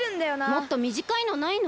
もっとみじかいのないの？